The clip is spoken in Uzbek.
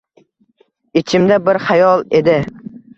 Ichimda bir xayol edi